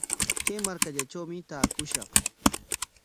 Kay markallatrawmi taakushaq.